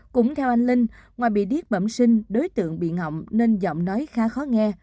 cũng theo anh linh ngoài bị điếc bẩm sinh đối tượng bị ngậm nên giọng nói khá khó nghe